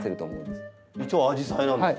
一応アジサイなんですか？